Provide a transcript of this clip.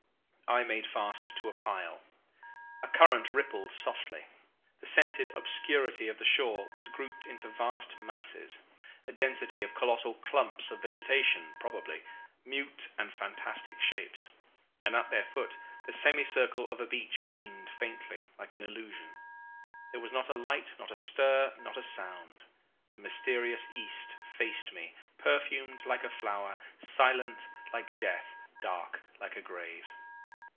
I made fast to a pile. A current rippled softly. The scented obscurity of the shore was grouped into vast masses, a density of colossal clumps of vegetation, probably mute and fantastic shapes. And at their foot the semicircle of a beach gleamed faintly, like an illusion. There was not a light, not a stir, not a sound. The mysterious East faced me, perfumed like a flower, silent like death, dark like a grave.